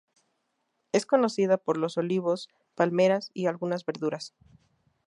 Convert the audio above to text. Es conocida por los olivos, palmeras, y algunas verduras.